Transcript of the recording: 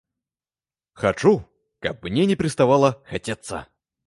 Хачу, каб мне не пераставала хацецца.